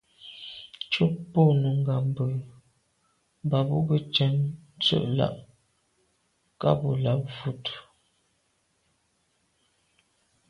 Tchúp bú nùngà mbə̄ mbà bú gə́ tɛ̀ɛ́n sə́’ láà’ ká bū làáp vút.